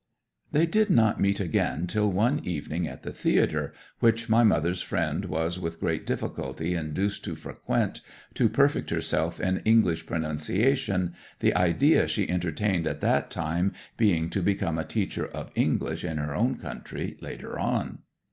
'They did not meet again till one evening at the theatre (which my mother's friend was with great difficulty induced to frequent, to perfect herself in English pronunciation, the idea she entertained at that time being to become a teacher of English in her own country later on).